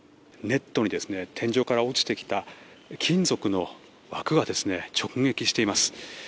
ネットに天井から落ちてきた金属の枠が直撃しています。